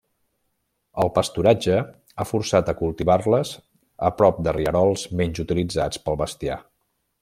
El pasturatge ha forçat a cultivar-les a prop de rierols menys utilitzats pel bestiar.